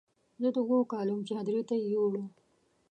زه د اوو کالو وم چې هدیرې ته یې یووړ.